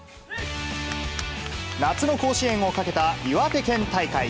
夏の甲子園をかけた岩手県大会。